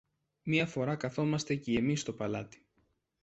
Μια φορά καθόμαστε κι εμείς στο παλάτι.